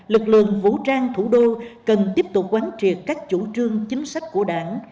lực lượng vũ trang thủ đô cần tiếp tục quán triệt các chủ trương chính sách của đảng